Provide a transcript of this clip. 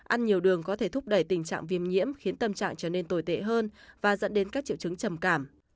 ăn nhiều đường có thể thúc đẩy tình trạng viêm nhiễm khiến tâm trạng trở nên tồi tệ hơn và dẫn đến các triệu chứng trầm cảm